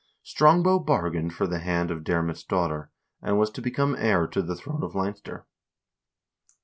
Strongbow bargained for the hand of Diarmait's daughter, and was to become heir to the throne of Leinster.